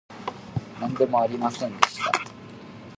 なんでもありませんでした